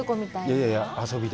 いやいや、遊びで。